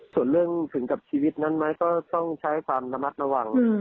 ส่วนเรื่องถึงกับชีวิตนั้นไหมก็ต้องใช้ความระมัดระวัง